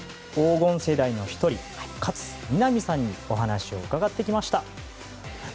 黄金世代の１人勝みなみさんにお話を伺ってきました。